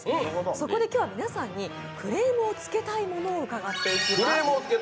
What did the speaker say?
そこで今日は皆さんにクレームをつけたいものを伺っていきます。